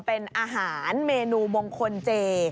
เป็นอาหารเมนูมงคลเจ